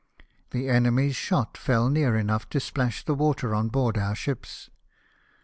The enemy's shot fell near enough to splash the water on board our ships.